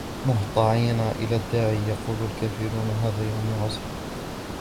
مهطعين إلى الداع يقول الكافرون هذا يوم عسر